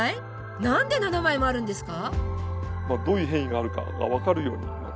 何で７枚もあるんですか？